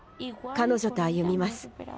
彼女と歩みます。